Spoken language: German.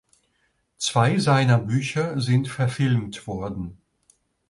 Zwei seiner Bücher sind verfilmt worden.